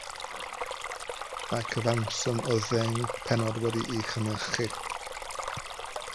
Mae cyfanswm o ddeg pennod wedi eu cynhyrchu.